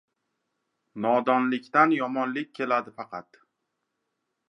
Nodonlikdan yomonlik keladi faqat